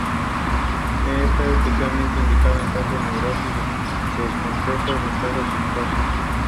El coro, plateresco de dos niveles, refleja la austeridad de la orden franciscana.